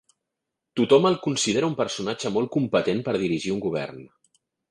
Tothom el considera un personatge molt competent per dirigir un govern.